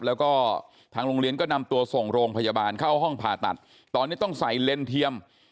แล้วก็ทางโรงเรียนก็นำตัวส่งโรงพยาบาลเข้าห้องผ่าตัดตอนนี้ต้องใส่เลนส์เทียม